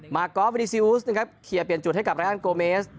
มาร์กอล์ฟวินิซิวุสนะครับเคลียร์เปลี่ยนจุดให้กับรายการโกเมส